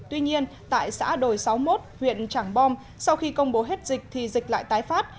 tuy nhiên tại xã đồi sáu mươi một huyện trảng bom sau khi công bố hết dịch thì dịch lại tái phát